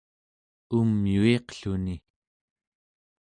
umyuiqluni